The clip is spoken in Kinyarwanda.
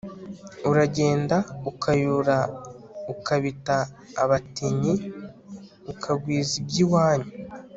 uragenda ukayora ukabita abatinyi.ukagwiza iby' iwanyu